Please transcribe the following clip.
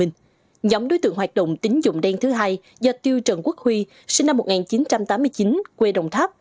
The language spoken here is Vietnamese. nhóm đối tượng hoạt động tính dụng đen thứ hai do tiêu trần quốc huy sinh năm một nghìn chín trăm tám mươi chín quê đồng tháp